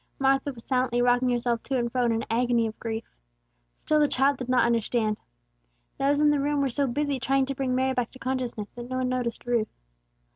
Martha was silently rocking herself to and fro, in an agony of grief. Still the child did not understand. Those in the room were so busy trying to bring Mary back to consciousness, that no one noticed Ruth.